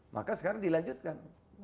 maka sekarang dilanjutkan